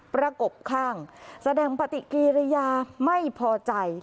ประกบข้างแสดงปฏิกิริยาไม่พอใจ